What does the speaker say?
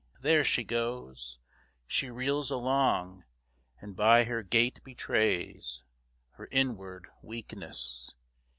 There she goes, She reels along, and by her gait betrays Her inward weakness.